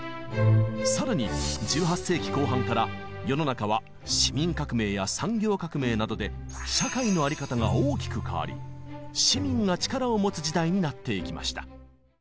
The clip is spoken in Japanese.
さらに１８世紀後半から世の中は市民革命や産業革命などで社会の在り方が大きく変わり市民が力を持つ時代になっていきました。